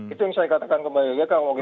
itu yang saya katakan kembali lagi